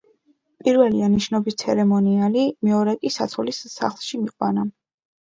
პირველია ნიშნობის ცერემონიალი, მეორე კი საცოლის სახლში მიყვანა.